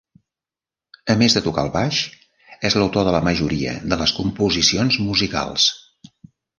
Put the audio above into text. A més de tocar el baix, és l'autor de la majoria de les composicions musicals.